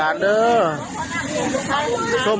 อ่าอืม